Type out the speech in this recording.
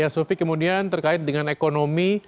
ya sofi kemudian terkait dengan ekonomi